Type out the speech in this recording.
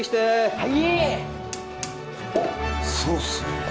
はい